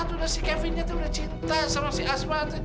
tuh si kevinnya tuh udah cinta sama si asma